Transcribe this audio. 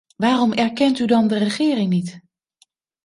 Waarom erkent u dan de regering niet?